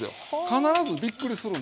必ずびっくりするんです。